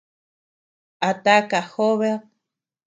¿A taka jobed?